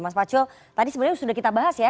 mas pacul tadi sebenarnya sudah kita bahas ya